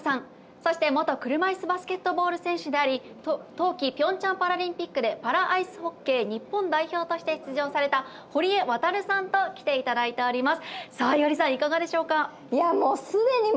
そして、元車いすバスケットボール選手であり冬季パラアイスホッケー日本代表として出場された堀江航さんときていただいております。